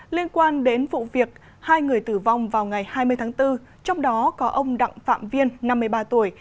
liên quan đến vụ việc hai người tử vong vào ngày hai mươi tháng bốn trong đó có ông đặng phạm viên năm mươi ba tuổi